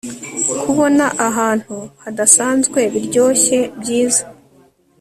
Kubona ahantu hadasanzwe biryoshye byiza